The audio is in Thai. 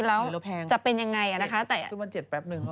แล้วจะเป็นอย่างไรนะคะแต่เหมือนจะเจ็ดแป๊บหนึ่ง